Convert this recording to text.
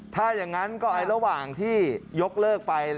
ถ้าอย่างนั้นก็ระหว่างที่ยกเลิกไป